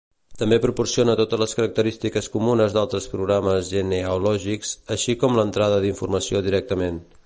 També proporciona totes les característiques comunes d'altres programes genealògics, així com l'entrada d'informació directament.